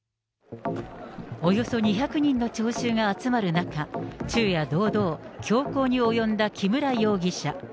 およそ２００人の聴衆が集まる中、昼夜堂々、凶行に及んだ木村容疑者。